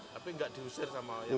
tapi nggak diusir sama yang